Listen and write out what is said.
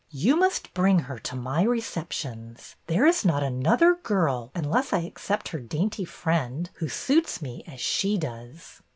You must bring her to my receptions. There is not another girl, unless I except her dainty friend, who suits me as she does."